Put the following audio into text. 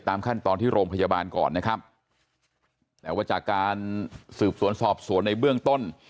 ขั้นตอนที่โรงพยาบาลก่อนนะครับแต่ว่าจากการสืบสวนสอบสวนในเบื้องต้น